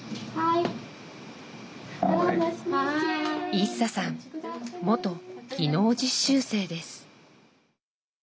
イッサさん元技能実習生です。